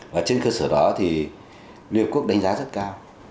và trên cơ sở đó thì liên hợp quốc đánh giá rất cao